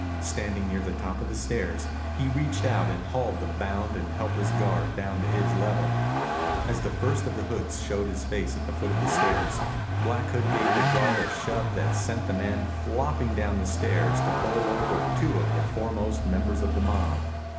Standing near the top of the stairs, he reached out and hauled the bound and helpless guard down to his level. As the first of the hoods showed his face at the foot of the stairs, Black Hood gave the guard a shove that sent the man flopping down the stairs to bowl over two of the foremost members of the mob.